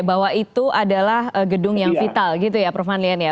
bahwa itu adalah gedung yang vital gitu ya prof manlian ya